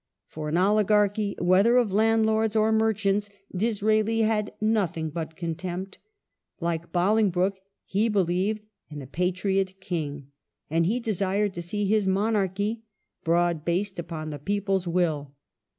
For an oligarchy, whether of landlords or merchants, Disraeli had nothing but contempt ; like Bolingbroke, he believed in a " Patriot King", and he desired to see his monarchy '' broad based upon the people's will